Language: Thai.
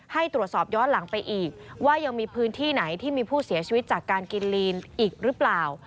ให้ตรวจสอบย้อนหลังไปอีกว่ายังมีพื้นที่ไหนที่มีผู้เสียชีวิตจากการกินลีนอีกหรือเปล่า